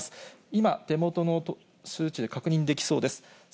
今、手元の数値で確認できそうです。